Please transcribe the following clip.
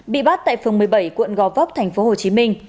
bị bắt tại phường một mươi bảy quận gò vấp tp hcm